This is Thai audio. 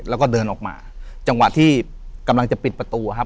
แล้วก็เดินออกมาจังหวะที่กำลังจะปิดประตูครับ